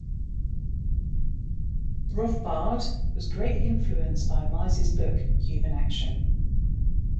Rothbard was greatly influenced by Mises' book, "Human Action".